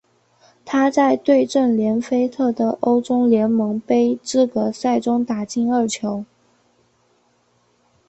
他在对阵连菲特的欧洲联盟杯资格赛中打进二球。